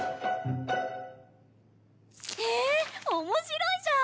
へえ面白いじゃん！